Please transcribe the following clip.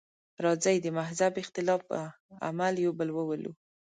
راځئ د مهذب اختلاف په عمل یو بل وولو.